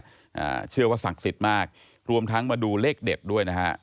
อ่าเชื่อว่าศักดิ์สิทธิ์มากรวมทั้งมาดูเลขเด็ดด้วยนะฮะ